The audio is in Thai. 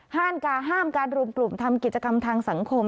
ห้ามการรวมกลุ่มทำกิจกรรมทางสังคม